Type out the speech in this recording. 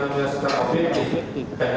dengan nilai setara objektif